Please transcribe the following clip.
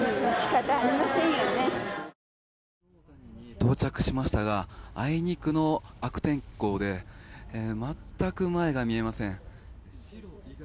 到着しましたがあいにくの悪天候で全く前が見えません。